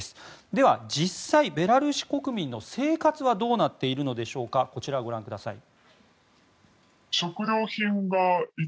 では実際ベラルーシ国民の生活はどうなっているのでしょうかこちらをご覧ください。